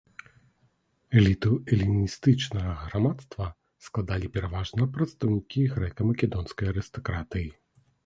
Эліту эліністычнага грамадства складалі пераважна прадстаўнікі грэка-македонскай арыстакратыі.